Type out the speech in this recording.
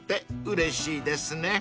うれしいですね］